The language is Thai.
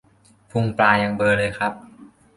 พุงปลายังเบลอเลยครับ